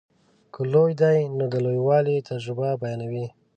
که لوی دی نو د لویوالي تجربه بیانوي.